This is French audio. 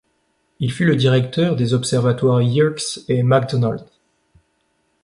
Il fut le directeur des observatoires Yerkes et McDonald.